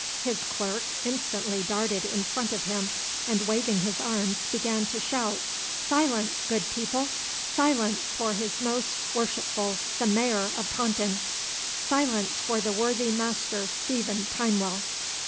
His clerk instantly darted in front of him, and waving his arms began to shout 'Silence, good people! Silence for his most worshipful the Mayor of Taunton! Silence for the worthy Master Stephen Timewell!